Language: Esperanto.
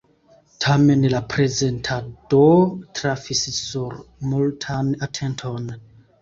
Tamen la prezentado trafis sur multan atenton.